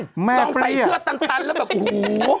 ลองใส่เสื้อตันแล้วแบบโอ้โห